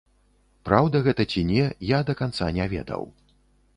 Праўда гэта ці не, я да канца не ведаў.